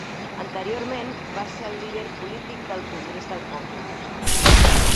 Anteriorment, va ser el líder polític del Congrés del Poble.